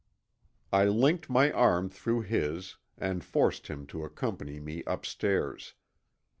I linked my arm through his and forced him to accompany me upstairs.